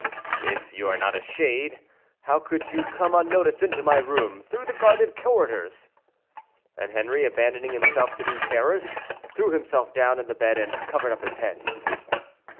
"If you are not a shade, how could you come unnoticed into my room, through the guarded corridors?" And Henri, abandoning himself to new terrors, threw himself down in the bed and covered up his head.